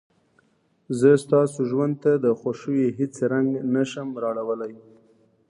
زه ستاسو ژوند ته د خوښيو هېڅ رنګ نه شم راوړلى.